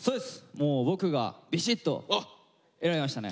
もう僕がビシッと選びましたね。